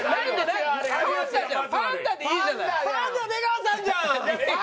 パンダ出川さんじゃん。